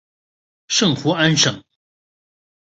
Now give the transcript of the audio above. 圣胡安省。